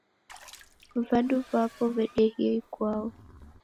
Vadu vapo vedehia ikwau.